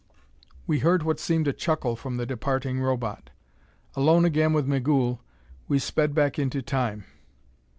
We heard what seemed a chuckle from the departing Robot. Alone again with Migul we sped back into Time.